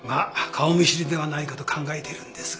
顔見知りではないかと考えてるんですがね。